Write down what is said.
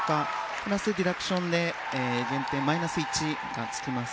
プラスディダクションでマイナス１が付きます。